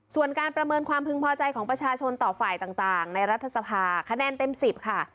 ส่วนการประเมินความพึงพอใจของประชาชนต่อฝ่ายต่างในรัฐสภาคะแนนเต็ม๑๐ค่ะ